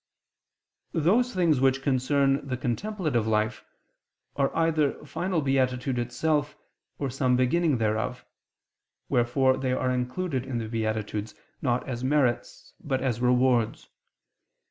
Those things which concern the contemplative life, are either final beatitude itself, or some beginning thereof: wherefore they are included in the beatitudes, not as merits, but as rewards.